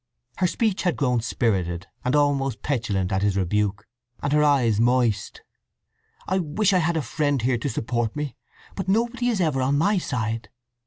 Her speech had grown spirited, and almost petulant at his rebuke, and her eyes moist. "I wish I had a friend here to support me; but nobody is ever on my side!"